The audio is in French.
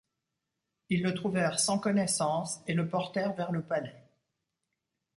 Ils le trouvèrent sans connaissance et le portèrent vers le palais.